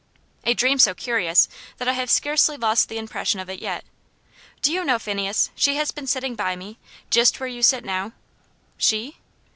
"A dream so curious, that I have scarcely lost the impression of it yet. Do you know, Phineas, she has been sitting by me, just where you sit now." "She?"